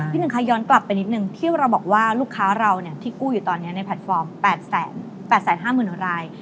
หนึ่งค่ะย้อนกลับไปนิดนึงที่เราบอกว่าลูกค้าเราที่กู้อยู่ตอนนี้ในแพลตฟอร์ม๘๕๐๐๐ราย